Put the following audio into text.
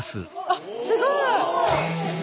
あっすごい！